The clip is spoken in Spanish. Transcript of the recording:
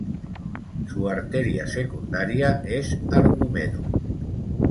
Su arteria secundaria es Argumedo.